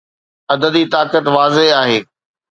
عددي طاقت واضح آهي.